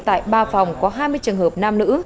tại ba phòng có hai mươi trường hợp nam nữ